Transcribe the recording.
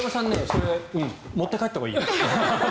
それ持って帰ったほうがいいよ。